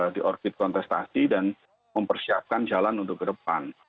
di orbit kontestasi dan mempersiapkan jalan untuk ke depan